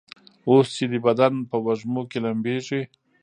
اوس چي دي بدن په وږمو کي لمبیږي